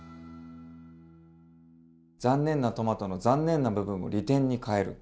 残念なトマトの残念な部分を利点に変える。